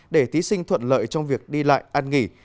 để thí sinh thuận lợi trong việc đi lại ăn nghỉ